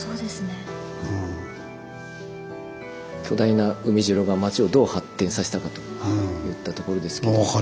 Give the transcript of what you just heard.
巨大な海城が町をどう発展させたかといったところですけど。